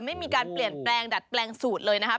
ไม่มีการเปลี่ยนแปลงดัดแปลงสูตรเลยนะครับ